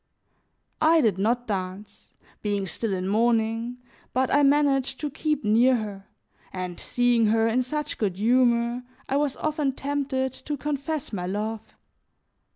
I did not dance, being still in mourning, but I managed to keep near her, and, seeing her in such good humor, I was often tempted to confess my love.